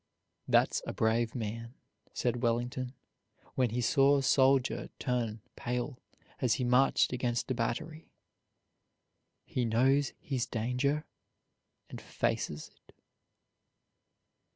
"That's a brave man," said Wellington, when he saw a soldier turn pale as he marched against a battery; "he knows his danger, and faces it."